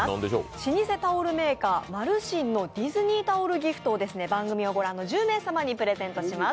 老舗タオルメーカー・丸眞のディズニータオルギフトを番組を御覧の１０名様にプレゼントします。